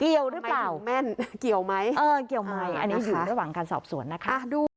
เกี่ยวหรือเปล่าแม่นเกี่ยวไหมเออเกี่ยวไหมอันนี้อยู่ระหว่างการสอบสวนนะคะ